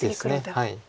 はい。